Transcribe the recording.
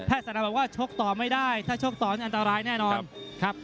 แพทย์สามารถแบบว่าโช๊ะต่อไม่ได้ถ้าโช๊ะต่ออันตรายแน่นอนครับ